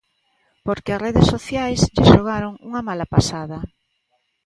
Porque as redes sociais lle xogaron unha mala pasada.